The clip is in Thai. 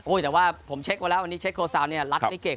โอ้ยแต่ว่าผมเช็กว่าแล้วเชคโครซาลเนี่ยรัดได้เก่ง